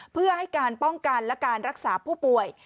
เพื่อให้การป้องกันและการรักษาผู้ป่วย